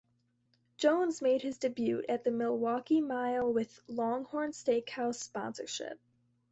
Jones made his debut at The Milwaukee Mile with Longhorn Steakhouse sponsorship.